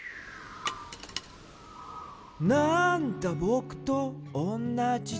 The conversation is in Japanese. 「なんだぼくとおんなじじゃん」